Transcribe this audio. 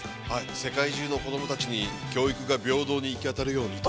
世界中の子供たちに、教育が平等にわたるようにと。